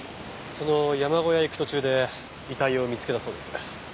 その山小屋へ行く途中で遺体を見つけたそうです。